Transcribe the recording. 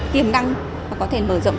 tiềm năng có thể mở rộng